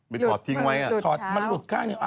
มันถอดทิ้งไว้อ่ะหลุดเท้ามันหลุดข้างหนึ่ง